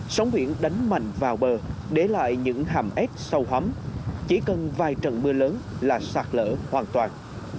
sóng biển đánh mạnh vào bờ để lại những hàm ép sâu hấm chỉ cần vài trận mưa lớn là sạt lở hoàn toàn